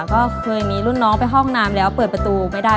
ก็เคยมีรุ่นน้องไปห้องน้ำแล้วเปิดประตูไม่ได้